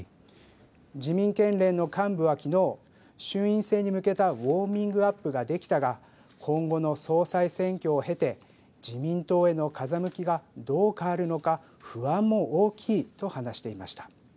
自民県連の幹部はきのう衆院選に向けたウォーミングアップができたが今後の総裁選挙をへて自民党への風向きがどう変わるのか不安も大きいと話していました。